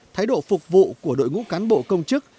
thái độ phục vụ của đội ngũ cán bộ công chức